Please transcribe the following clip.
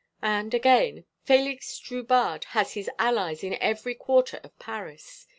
And, again, Félix Drubarde has his allies in every quarter of Paris.